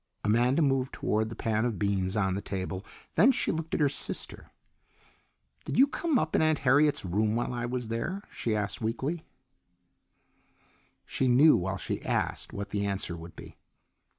Amanda moved toward the pan of beans on the table, then she looked at her sister. "Did you come up in Aunt Harriet's room while I was there?" she asked weakly. She knew while she asked what the answer would be.